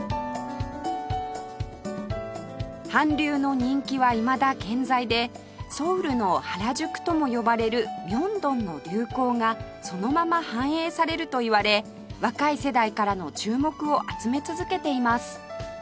韓流の人気はいまだ健在でソウルの原宿とも呼ばれる明洞の流行がそのまま反映されるといわれ若い世代からの注目を集め続けています